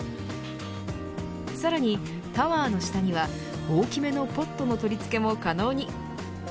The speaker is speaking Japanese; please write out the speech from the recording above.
さらに、タワーの下には大きめのポットの取り付けも可能に。